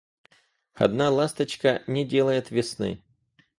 Одна ласточка не делает весны.